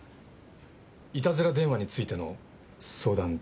いたずら電話についての相談でした。